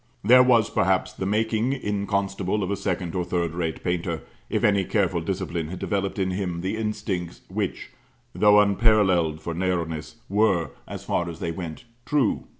There was, perhaps, the making, in Constable, of a second or third rate painter, if any careful discipline had developed in him the instincts which, though unparalleled for narrowness, were, as far as they went, true.